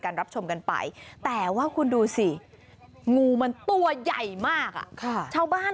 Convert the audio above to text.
รับชมกันไปแต่ว่าคุณดูสิงูมันตัวใหญ่มากชาวบ้าน